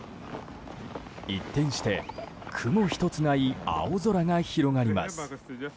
一転して雲一つない青空が広がります。